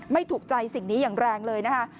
ถูกใจสิ่งนี้อย่างแรงเลยนะคะ